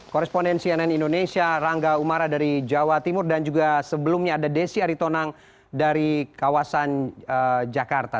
koresponden cnn indonesia rangga umara dari jawa timur dan juga sebelumnya ada desi aritonang dari kawasan jakarta